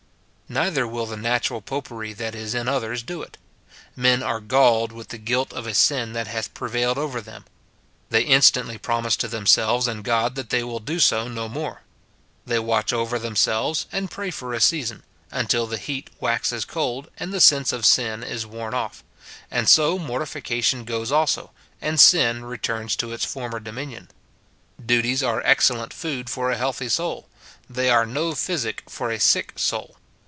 Neither will the natural Popery that is in others do it. Men are galled with the guilt of a sin that hath pre vailed over them ; they instantly promise to themselves and God that they will do so no more ; they watch over SIN IN BELIEVERS. 171 themselves, and pray for a season, until the heat waxes cold, and the sense of sin is worn off: and so mortifica tion goes also, and sin returns to its former dominion. Duties are excellent food for a healthy soul ; they are no physic for a sick soul.